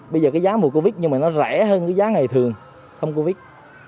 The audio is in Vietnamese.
bây giờ cái giá mùa covid nhưng mà nó rẻ hơn cái giá ngày thường không covid